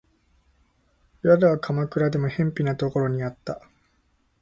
宿は鎌倉でも辺鄙なところにあった